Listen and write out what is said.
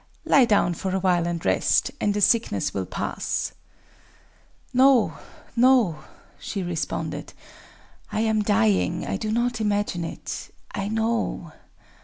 lie down for a while, and rest; and the sickness will pass."... "No, no!" she responded—"I am dying!—I do not imagine it;—I know!...